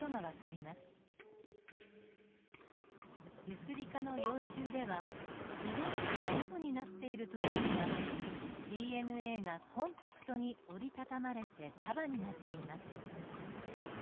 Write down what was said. ユスリカの幼虫では遺伝子がオフになっている時にはＤＮＡがコンパクトに折りたたまれて束になっています。